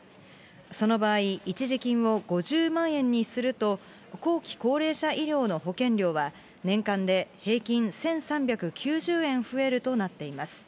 その場合、一時金を５０万円にすると、後期高齢者医療の保険料は、年間で平均１３９０円増えるとなっています。